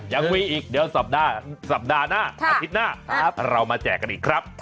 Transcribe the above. ยังมีอีกเดี๋ยวสัปดาห์หน้าอาทิตย์หน้าเรามาแจกกันอีกครับ